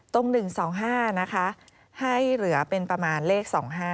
๑๒๕นะคะให้เหลือเป็นประมาณเลข๒๕